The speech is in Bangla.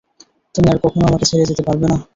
তুমি আর কখনও আমাকে ছেড়ে যেতে পারবে না!